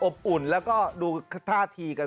อุ่นแล้วก็ดูท่าทีกัน